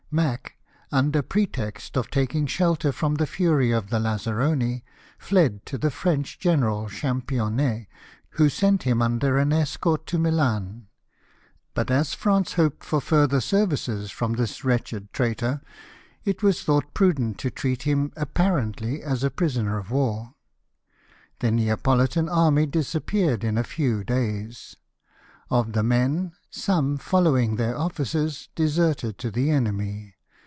Mack, under pretext of taking shelter from the fury of the lazzaroni, fled to the French general Cham pionet, who sent him under an escort to Milan ; but ADVANCE OF THE FRENCH TOWARDS NAPLES. 17."> as France hoped for further services fi'om this Avretched traitor, it was thought prudent to treat him apparently as a prisoner of war. The NeapoHtan army disappeared in a few days ; of the men, some, following their officers, deserted to the enemy.